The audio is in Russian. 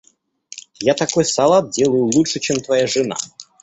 Я такой салат делаю лучше, чем твоя жена.